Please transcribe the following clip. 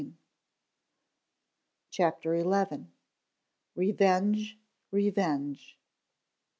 CHAPTER XI. REVENGE! REVENGE!